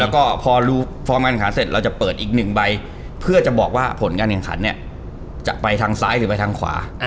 แล้วก็พองานขาเสร็จเราจะเปิดอีกหนึ่งใบเพื่อจะบอกว่าผลการแข่งขันเนี่ยจะไปทางซ้ายหรือไปทางขวา